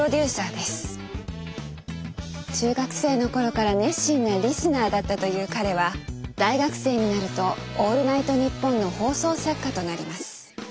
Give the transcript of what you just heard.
中学生の頃から熱心なリスナーだったという彼は大学生になると「オールナイトニッポン」の放送作家となります。